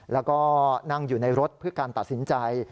แล้วก็นั่งอยู่ในรถเพื่อการตัดสินใจ